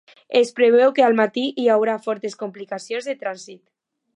Es preveu que al matí hi haurà fortes complicacions de transit.